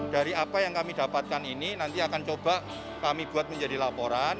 dari apa yang kami dapatkan ini nanti akan coba kami buat menjadi laporan